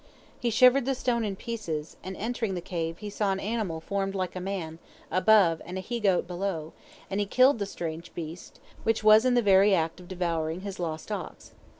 He shivered the stone in pieces, and entering the cave he saw an animal formed like a man above and a he goat below, and he killed the strange beast, which was in the very act of devouring his lost ox.